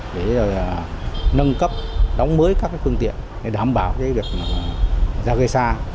để nâng cấp đóng mới các phương tiện để đảm bảo được ra gây sa